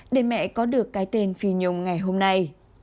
để mẹ có được cái tên phi nhung ngày hôm nay